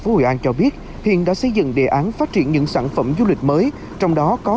phố hội an cho biết hiện đã xây dựng đề án phát triển những sản phẩm du lịch mới trong đó có